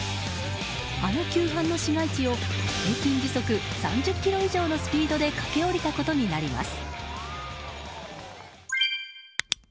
あの急坂の市街地を平均時速３０キロ以上のスピードで駆け下りたことになります。